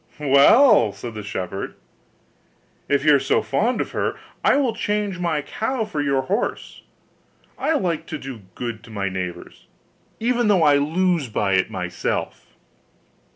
'Well,' said the shepherd, 'if you are so fond of her, I will change my cow for your horse; I like to do good to my neighbours, even though I lose by it myself.